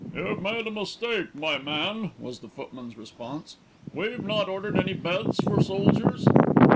"You've made a mistake, my man," was the footman's response. "We've not ordered any beds for soldiers."